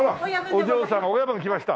お嬢さん親分来ました。